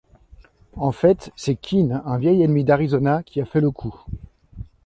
En fait, c'est Keene, un vieil ennemi d'Arizona, qui a fait le coup.